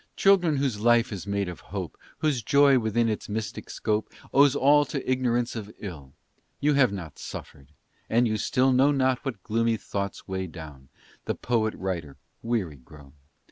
Children whose life is made of hope, Whose joy, within its mystic scope, Owes all to ignorance of ill, You have not suffered, and you still Know not what gloomy thoughts weigh down The poet writer weary grown.